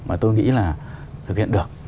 mà tôi nghĩ là thực hiện được